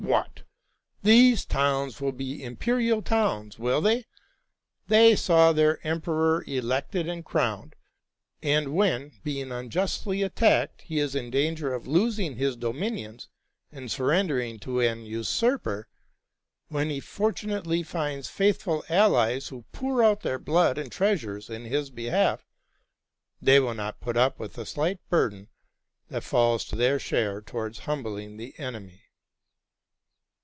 What! These towns will be imperial towns, will they? They saw their emperor elected and crowned : and when, being unjustly attacked, he is in danger of losing his dominions and surrendering to an usurper; when he fortunately finds faithful allies who pour out their blood and treasure in his behalf, —they will not put up with the slight burden that falls to their share towards humbling the enemy."